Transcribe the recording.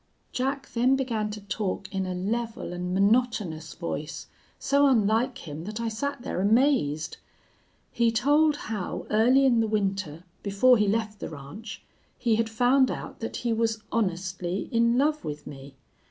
"Jack then began to talk in a level and monotonous voice, so unlike him that I sat there amazed. He told how early in the winter, before he left the ranch, he had found out that he was honestly in love with me.